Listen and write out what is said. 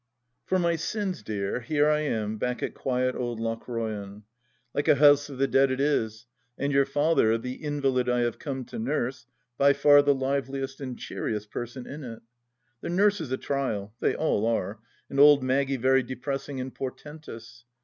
Foe my sins, dear, here I am back at quiet old Lochroyan. Like a house of the dead it is, and your father, the invalid I have come to nurse, by far the liveliest and cheeriest person in it. The nurse is a trial — they all are — and old Maggie very depressing and portentous.